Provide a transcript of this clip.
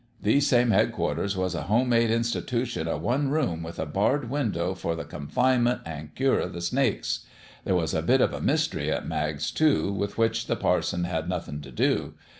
These same headquarters was a home made institution o' one room with a barred win dow for the confinement an' cure o' the snakes. There was a bit of a mystery at Mag's, too, with which the parson had nothin' t' do.